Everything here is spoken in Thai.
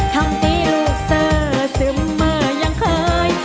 ทำติดเสื้อซึมเมื่อยังเคย